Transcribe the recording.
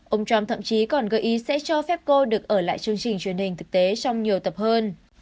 ông trump thậm chí còn gợi ý sẽ cho phép cô được ở lại chương trình truyền hình thực tế trong nhiều tập hơn